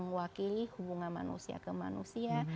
mewakili hubungan manusia ke manusia